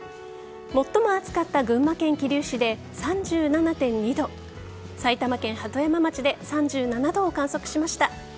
最も暑かった群馬県桐生市で３７．２度埼玉県鳩山町で３７度を観測しました。